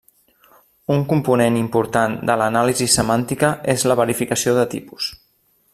Un component important de l'anàlisi semàntica és la verificació de tipus.